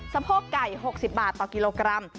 สะโพกไก่๖๐บาทต่อกิโลกรัม